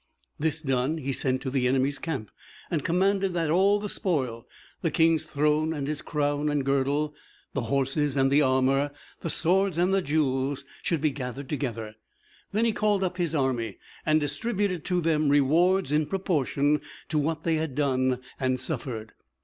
This done, he sent to the enemies' camp, and commanded that all the spoil, the King's throne, and his crown and girdle, the horses and the armor, the swords and jewels, should be gathered together. Then he called up his army, and distributed to them rewards in proportion to what they had done and suffered.